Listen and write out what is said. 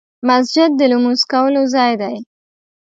مسجد د لمونځ کولو ځای دی .